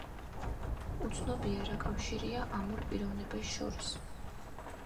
უცნობია რა კავშირია ამ ორ პიროვნებას შორის.